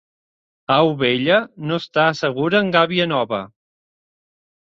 Au vella no està segura en gàbia nova.